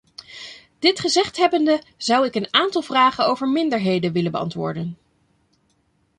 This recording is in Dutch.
Dit gezegd hebbende, zou ik een aantal vragen over minderheden willen beantwoorden.